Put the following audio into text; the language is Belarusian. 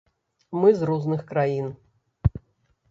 Мы з розных краін.